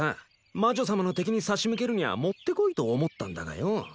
魔女様の敵に差し向けるにゃあもってこいと思ったんだがよ。